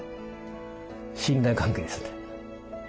信頼関係ですね。